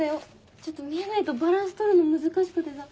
ちょっと見えないとバランス取るの難しくてさ。